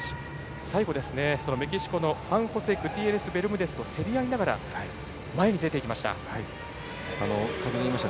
最後、メキシコのフアンホセ・グティエレスベルムデスと競り合いながら前に出ていきました。